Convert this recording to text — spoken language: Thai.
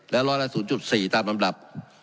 และร้อยละ๐๔ตามลำดับ